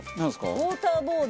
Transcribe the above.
ウォーターボード。